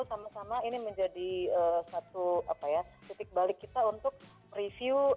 sama sama ini menjadi satu titik balik kita untuk review